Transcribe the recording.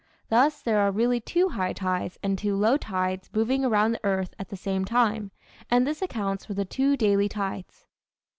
Thus, there are really two high tides and two low tides moving around the earth at the same time; and this accounts for the two daily tides.